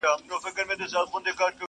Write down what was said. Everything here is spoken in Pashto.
له یخنیه دي بې واکه دي لاسونه!!